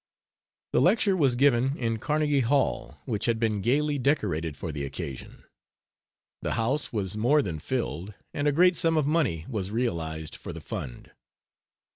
The lecture was given in Carnegie Hall, which had been gayly decorated for the occasion. The house was more than filled, and a great sum of money was realized for the fund.